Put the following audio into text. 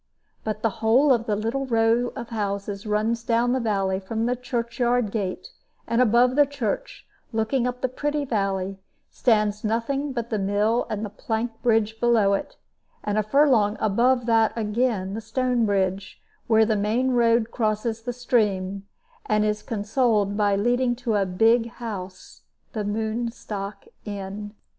But the whole of the little road of houses runs down the valley from the church yard gate; and above the church, looking up the pretty valley, stands nothing but the mill and the plank bridge below it; and a furlong above that again the stone bridge, where the main road crosses the stream, and is consoled by leading to a big house the Moonstock Inn.